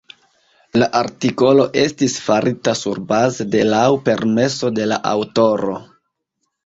La artikolo estis farita surbaze de laŭ permeso de la aŭtoro.